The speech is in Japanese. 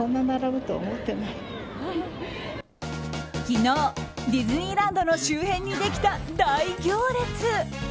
昨日、ディズニーランドの周辺にできた大行列。